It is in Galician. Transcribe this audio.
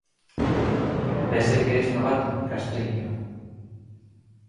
Vese que es novato, Castriño...